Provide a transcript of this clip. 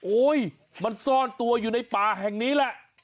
มันซ่อนตัวอยู่ในป่าแห่งนี้แหละ